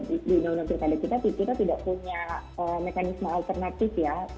di undang undang pilkada kita kita tidak punya mekanisme alternatif ya